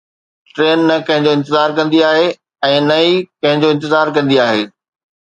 train نه ڪنهن جو انتظار ڪندي آهي ۽ نه ئي ڪنهن جو انتظار ڪندي آهي